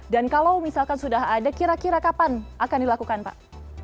dan kalau misalkan sudah ada kira kira kapan akan dilakukan pak